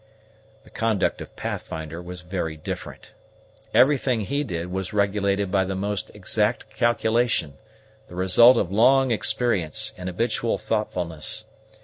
The conduct of Pathfinder was very different. Everything he did was regulated by the most exact calculation, the result of long experience and habitual thoughtfulness.